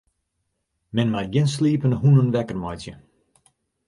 Men moat gjin sliepende hûnen wekker meitsje.